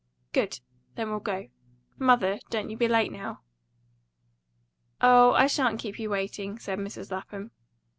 "Good! Then we'll go. Mother, don't you be late now." "Oh, I shan't keep you waiting," said Mrs. Lapham.